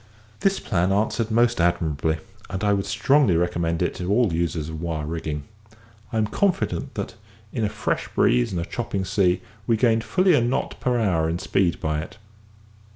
This plan answered most admirably, and I would strongly recommend it to all users of wire rigging. I am confident that, in a fresh breeze and a chopping sea, we gained fully a knot per hour in speed by it.